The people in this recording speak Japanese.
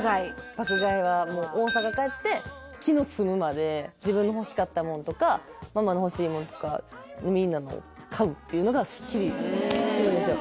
爆買いはもう大阪帰って気の済むまで自分の欲しかったものとかママの欲しいものとかみんなのを買うっていうのがスッキリするんですよ